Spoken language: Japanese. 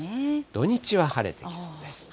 土日は晴れてきそうです。